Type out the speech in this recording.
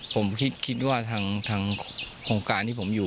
ผมคิดว่าทางโครงการที่ผมอยู่